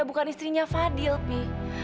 bukan istrinya fadil pi